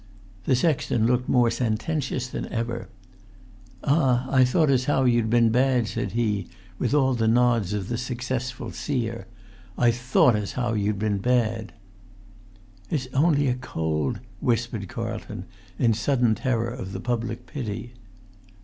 The sexton looked more sententious than ever. "Ah, I thought as how you'd been bad," said he, with all the nods of the successful seer. "I thought as how you'd been bad!" "It's only been a cold," whispered Carlton, in sudden terror of the public pity.